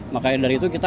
makanya dari itu kita